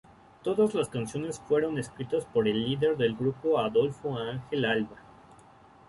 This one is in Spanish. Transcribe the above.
Todas las canciones fueron escritas por el líder del grupo Adolfo Ángel Alba.